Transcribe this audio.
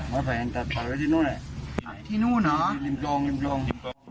ไม้ไผ่อันแต่ไผ่ไว้ที่นู่นที่นู่นเหรอลิมโกงลิมโกงลิมโกง